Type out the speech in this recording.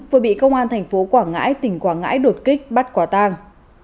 vừa bị công an thành phố quảng ngãi tỉnh quảng ngãi đột kích bắt quả tang